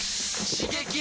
刺激！